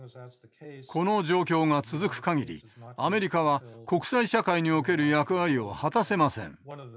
この状況が続く限りアメリカは国際社会における役割を果たせません。